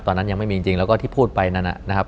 ตอนนั้นยังไม่มีจริงแล้วก็ที่พูดไปนั้นนะครับ